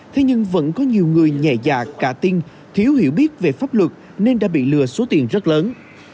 thế nhưng vẫn có nhiều người nhẹ dạ cả tin thiếu hiểu biết về pháp luật nên đã bị lừa số tiền rất lớn